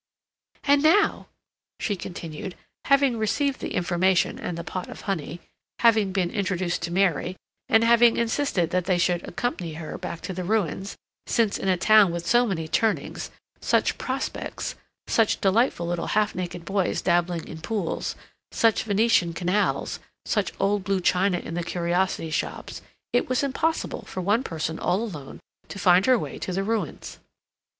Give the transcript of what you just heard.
"And now," she continued, having received the information and the pot of honey, having been introduced to Mary, and having insisted that they should accompany her back to the ruins, since in a town with so many turnings, such prospects, such delightful little half naked boys dabbling in pools, such Venetian canals, such old blue china in the curiosity shops, it was impossible for one person all alone to find her way to the ruins.